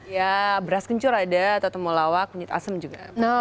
ya beras kencur ada atau temulawak kunyit asem juga